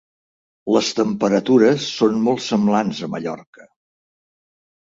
Les temperatures són molt semblants a Mallorca.